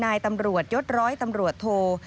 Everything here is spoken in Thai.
นายตำรวจยศตำรวจโทรดิบ